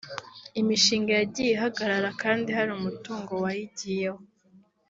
imishinga yagiye ihagarara kandi hari umutungo wayigiyeho